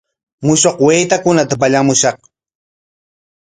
Mushkuq waytakunata pallamushun.